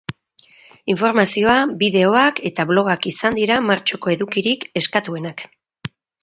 Informazioa, bideoak eta blogak izan dira martxoko edukirik eskatuenak.